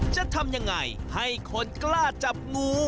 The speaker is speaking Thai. จะทำยังไงให้คนกล้าจับงู